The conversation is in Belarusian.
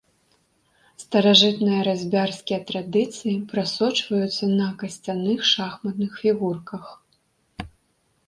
Старажытныя разьбярскія традыцыі прасочваюцца на касцяных шахматных фігурках.